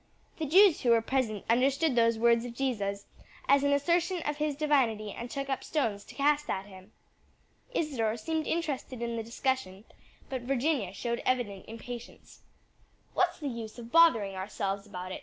The Jews who were present understood those words of Jesus as an assertion of his divinity and took up stones to cast at him." Isadore seemed interested in the discussion, but Virginia showed evident impatience. "What's the use of bothering ourselves about it?"